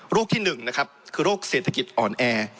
โรคที่หนึ่งนะครับคือโรคเศรษฐกิจอ่อนแอ